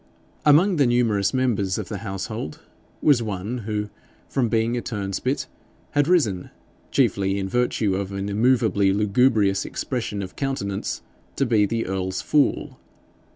Among the numerous members of the household was one who, from being a turnspit, had risen, chiefly in virtue of an immovably lugubrious expression of countenance, to be the earl's fool.